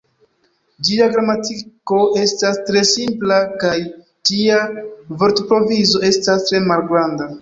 Ĝia gramatiko estas tre simpla kaj ĝia vortprovizo estas tre malgranda.